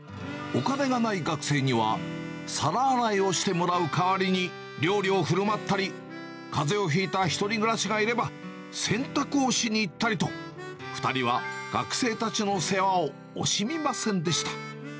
お金がない学生には、皿洗いをしてもらう代わりに、料理をふるまったり、かぜをひいた１人暮らしがいれば、洗濯をしに行ったりと、２人は学生たちの世話を惜しみませんでした。